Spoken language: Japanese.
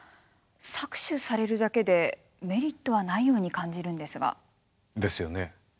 搾取されるだけでメリットはないように感じるんですが。ですよね。